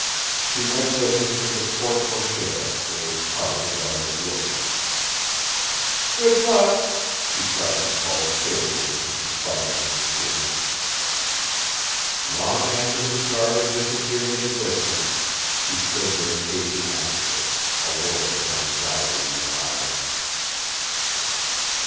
She went with him to the porte cochère where his car was already waiting. "Good luck!" she tried to call cheerfully, in spite of her misgivings. Long after his car had disappeared in the distance she stood there gazing after it, a world of anxiety in her eyes.